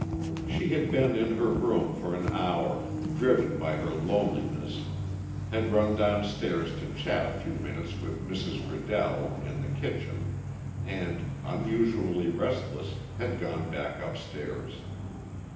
She had been in her room for an hour, driven by her loneliness had run downstairs to chat a few minutes with Mrs. Riddell in the kitchen and, unusually restless, had gone back upstairs.